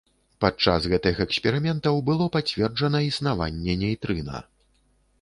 Падчас гэтых эксперыментаў было пацверджана існаванне нейтрына.